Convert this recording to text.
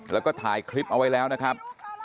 แล้วก็ถ่ายคลิปเอาไว้แล้วนะครับ